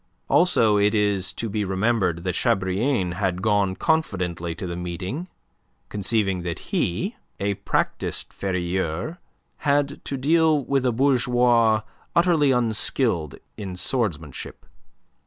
Also it is to be remembered that Chabrillane had gone confidently to the meeting, conceiving that he, a practised ferailleur, had to deal with a bourgeois utterly unskilled in swordsmanship.